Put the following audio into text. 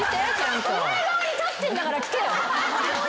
お前側に立ってんだから聞けよ。